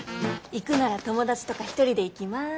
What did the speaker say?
行くなら友達とか１人で行きます。